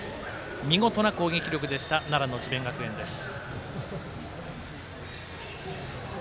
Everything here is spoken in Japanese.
見事な攻撃力でした奈良の智弁学園です。